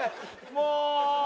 もう。